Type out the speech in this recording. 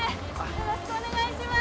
よろしくお願いします